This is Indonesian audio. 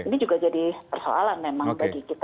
itu sudah jadi persoalan memang bagi kita